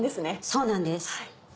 そうなんです。